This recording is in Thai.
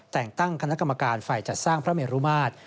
แต่งตั้งคณะกรรมการฝ่ายจัดสร้างพระเมรุมาตร